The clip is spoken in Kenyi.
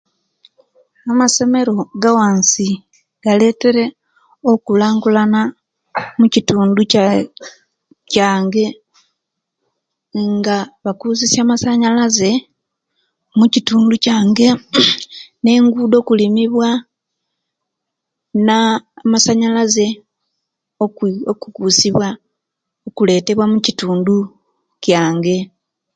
Amasomero gawansi galetere okulankulana mukitundu kya kyange nga bakusisya amasanyalaze mukitundu kyange, ne engudo okulumiwa na amasanyalaze okukusibwa okuletewa omukitundu kyange